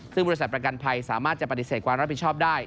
ซึ่งบริษัทประกันภัยสามารถจะปฏิเสธความรับผิดชอบได้